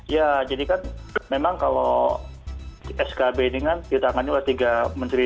ya jadi kan memang kalau skb ini kan ditangani oleh tiga menteri